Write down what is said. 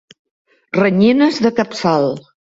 Renyines de capçal.